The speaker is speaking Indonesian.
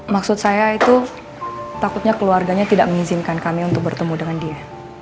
maksud saya itu takutnya keluarganya tidak mengizinkan kami untuk bertemu dengan dia